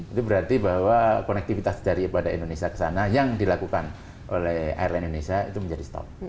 itu berarti bahwa konektivitas dari pada indonesia ke sana yang dilakukan oleh airline indonesia itu menjadi stop